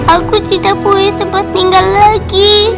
aku tidak boleh tempat tinggal lagi